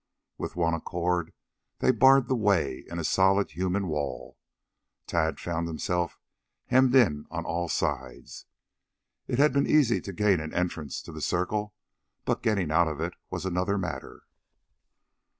With one accord they barred the way in a solid human wall. Tad found himself hemmed in on all sides. It had been easy to gain an entrance to the circle, but getting out of it was another matter.